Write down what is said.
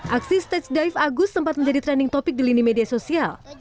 aksi stage dive agus sempat menjadi trending topic di lini media sosial